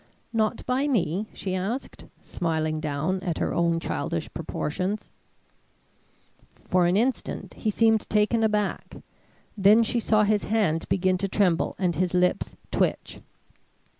"Not by me?" she asked, smiling down at her own childish proportions. For an instant he seemed taken aback, then she saw his hand begin to tremble and his lips twitch.